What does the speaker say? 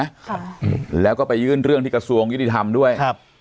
ค่ะแล้วก็ไปยื่นเรื่องที่กระทรวงยุติธรรมด้วยครับ